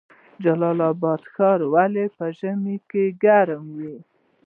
جلال اباد ښار ولې په ژمي کې ګرم وي؟